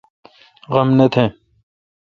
غم نہ تہ۔